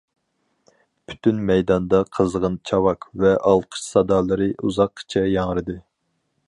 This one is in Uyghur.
پۈتۈن مەيداندا قىزغىن چاۋاك ۋە ئالقىش سادالىرى ئۇزاققىچە ياڭرىدى.